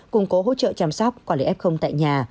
củng cố hỗ trợ chăm sóc quản lý f tại nhà